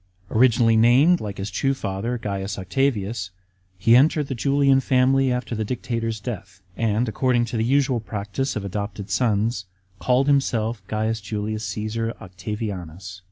Originally named, like his true father, C. Octavius,* he entered the Julian family after the dictator's death, and, according to the usual practice of adopted sons, called himself C. Julius Csesar Octavianus.